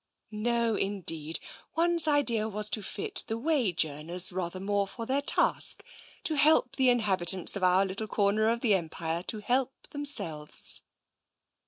" No, indeed. One's idea was to fit the wage earners rather more for their task — to help the inhabitants of our little corner of the Empire to help themselves."